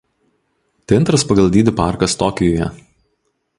Tai antras pagal dydį parkas Tokijuje.